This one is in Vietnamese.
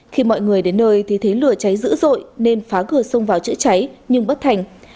khi mọi người đến nơi thì thấy lửa cháy dữ dội nên phá cửa sông vào chữa cháy nhưng bất thành